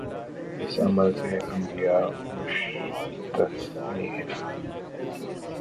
اس عمل سے انبیا مستثنی ہیں۔